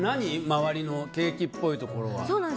周りのケーキっぽいところ。